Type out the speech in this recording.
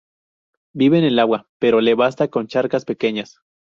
Vive en el agua, pero le basta con charcas pequeñas.